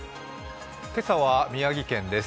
今朝は宮城県です。